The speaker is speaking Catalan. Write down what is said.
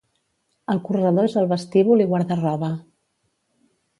El corredor és el vestíbul i guarda-roba.